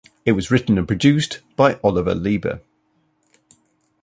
It was written and produced by Oliver Leiber.